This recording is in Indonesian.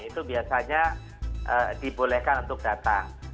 itu biasanya dibolehkan untuk datang